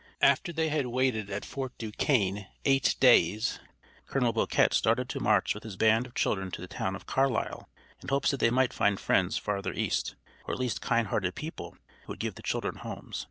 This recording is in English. After they had waited at Fort Duquesne eight days, Colonel Boquet started to march with his band of children to the town of Carlisle, in hopes that they might find friends farther east, or at least kind hearted people who would give the children homes.